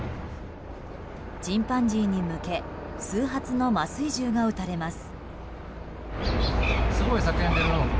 チンパンジーに向け数発の麻酔銃が撃たれます。